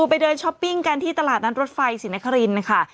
ไปเดินช้อปปิ้งกันที่ตลาดนัดรถไฟศรีนครินค่ะ